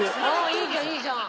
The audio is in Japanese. いいじゃんいいじゃん。